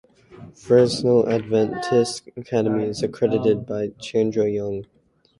Fresno Adventist Academy is accredited by Chandra Young.